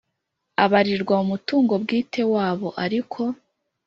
abarirwa mu mutungo bwite wabo ariko